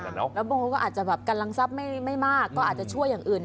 แล้วบางคนก็อาจจะแบบกำลังทรัพย์ไม่มากก็อาจจะช่วยอย่างอื่น